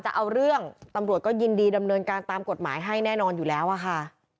จะเอาเรื่องตำรวจก็ยินดีดำเนินการตามกฎหมายให้แน่นอนอยู่แล้วอะค่ะ